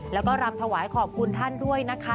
แล้วก็รำถวายขอบคุณท่านด้วยนะคะ